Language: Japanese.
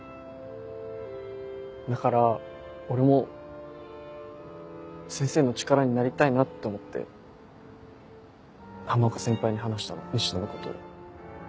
だから俺も先生の力になりたいなって思って浜岡先輩に話したの西野のことを。